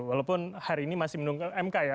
walaupun hari ini masih menunggu mk ya